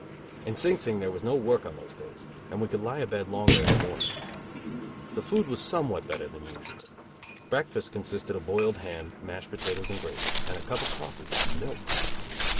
In Sing Sing there was no work on those days, and we could lie abed longer in the morning. The food was somewhat better than usual. Breakfast consisted of boiled ham, mashed potatoes and gravy, and a cup of coffee with milk.